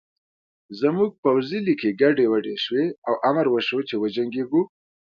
زموږ پوځي لیکې ګډې وډې شوې او امر وشو چې وجنګېږو